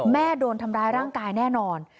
โดนทำร้ายร่างกายแน่นอน